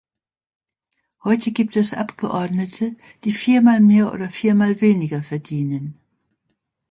Heute gibt es Abgeordnete, die viermal mehr oder viermal weniger verdienen.